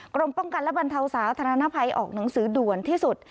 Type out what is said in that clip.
กรมป้องกันและบรรเทาสาธารณภัยออกหนังสือด่วนที่สุด